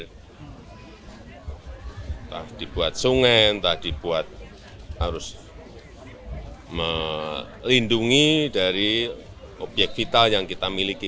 entah dibuat sungai entah dibuat harus melindungi dari obyek vital yang kita miliki